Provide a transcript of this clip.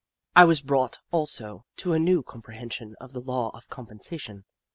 I was brought, also, to a new compre hension of the law of compensation.